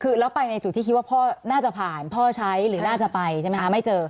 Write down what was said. คือแล้วไปในจุดที่คิดว่าพ่อน่าจะผ่านพ่อใช้หรือน่าจะไปใช่ไหมคะไม่เจอ